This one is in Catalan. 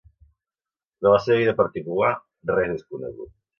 De la seva vida particular res és conegut.